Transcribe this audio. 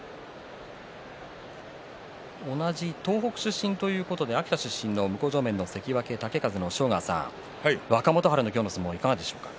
同じ東北出身ということで秋田出身の関脇豪風の押尾川さん若元春の今日の相撲はどうですか。